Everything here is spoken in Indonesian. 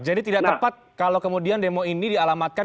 jadi tidak tepat kalau kemudian demo ini dialamatkan